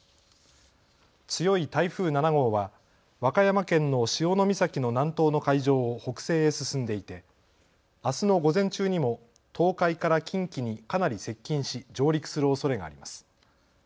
強い台風７号は和歌山県の潮岬の南東の海上を北西へ進んでいてあすの午前中にも東海から近畿にかなり接近し上陸するおそれがあります。